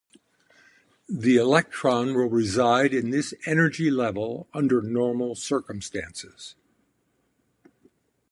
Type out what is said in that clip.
The electron will reside in this energy level under normal circumstances.